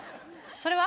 それは？